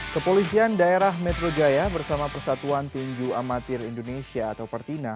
kepolisian daerah metro jaya bersama persatuan tinju amatir indonesia atau pertina